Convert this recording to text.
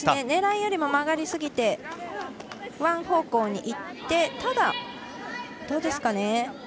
狙いよりも曲がりすぎてワン方向に行ってただ、どうですかね。